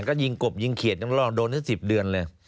ก็ยิงกบยิงเขียดโดนก็๑๐เดือนเลย